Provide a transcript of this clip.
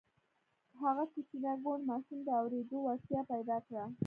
هغه کوچني کوڼ ماشوم د اورېدو وړتيا پيدا کړه.